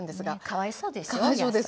かわいそうでしょう？